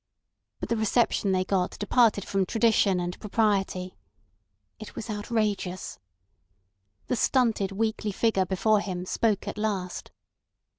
But the reception they got departed from tradition and propriety. It was outrageous. The stunted, weakly figure before him spoke at last.